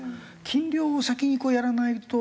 禁漁を先にやらないと。